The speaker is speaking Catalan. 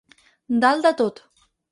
Dalt de tot.